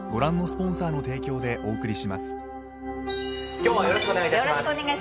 今日はよろしくお願いいたします。